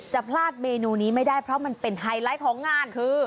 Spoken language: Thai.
จะพลาดเมนูนี้ไม่ได้เพราะมันเป็นไฮไลท์ของงานคือ